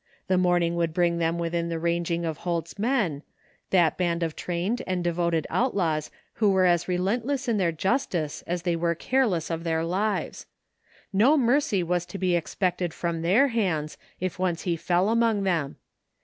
The morning would bring them within the ranging of Holt's men — ^that band of trained and devoted out laws who were is relentless in their justice as they were careless of their lives. No mercy was to be expected from their hands if once he fell among them.